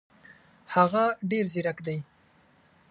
هغه ډېر زیرک دی.